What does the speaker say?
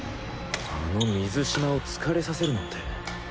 あの水嶋を疲れさせるなんて